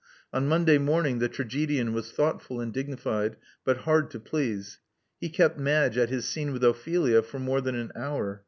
On Monday morning the tra gedian was thoughtful and dignified, but hard to please. He kept Madge at his scene with Ophelia for more than an hour.